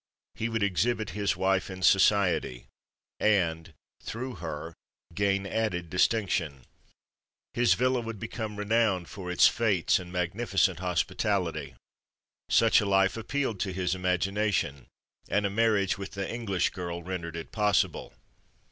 He would exhibit his wife in society, and, through her, gain added distinction. His villa would become renowned for its fêtes and magnificent hospitality. Such a life appealed to his imagination, and a marriage with the English girl rendered it possible.